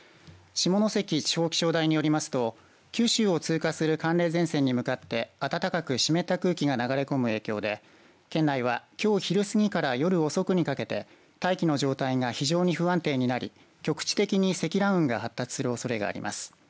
下関地方気象台によりますと九州を通過する寒冷前線に向かって暖かく湿った空気が流れ込む影響で県内はきょう昼過ぎから夜遅くにかけて大気の状態が非常に不安定になり局地的に積乱雲が発達するおそれがあります。